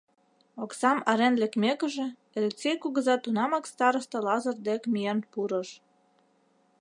Оксам арен лекмекыже, Элексей кугыза тунамак староста Лазыр дек миен пурыш.